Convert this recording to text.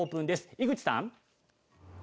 井口さん！